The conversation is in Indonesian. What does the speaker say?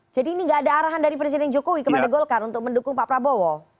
jadi ini nggak ada arahan dari presiden jokowi kepada golkar untuk mendukung pak prabowo